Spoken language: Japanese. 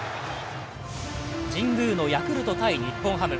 神宮のヤクルト×日本ハム。